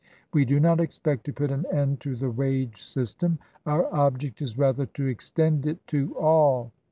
We do not expect to put an end to the wage system : our object is rather to extend it to all.